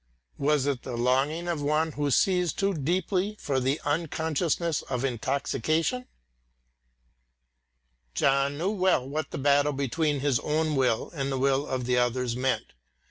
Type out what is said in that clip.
Was it the longing of one who sees too deeply for the unconsciousness of intoxication? John knew well what the battle between his own will and the will of others meant.